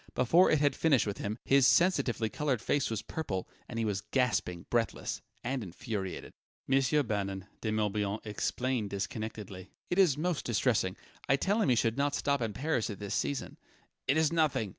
Before it had finished with him, his sensitively coloured face was purple, and he was gasping, breathless and infuriated. "Monsieur Bannon," De Morbihan explained disconnectedly "it is most distressing I tell him he should not stop in Paris at this season " "It is nothing!"